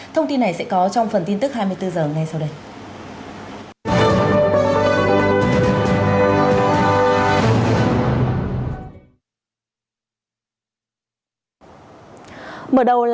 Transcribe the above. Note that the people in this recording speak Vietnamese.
thông tin này sẽ có trong phần tin tức hai mươi bốn h ngay sau đây